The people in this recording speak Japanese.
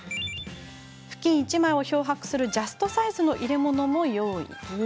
ふきん１枚を漂白するジャストサイズの入れ物も用意。